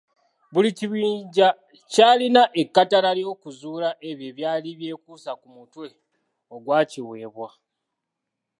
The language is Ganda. Buli kibinja kyalina ekkatala ly’okuzuula ebyo ebyali byekuusa ku mutwe ogwakiweebwa.